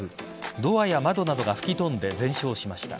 ドアや窓などが吹き飛んで全焼しました。